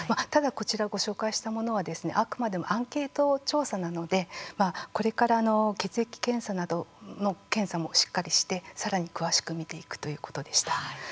ただ、こちらご紹介したものはあくまでもアンケート調査なのでこれから血液検査などの検査もしっかりして、さらに詳しく見ていくということでした。